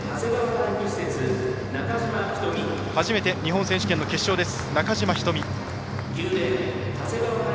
初めて日本選手権の決勝中島ひとみ。